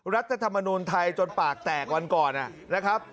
รัฐธรรมนูลไทยจนปากแตกวันก่อนนะครับ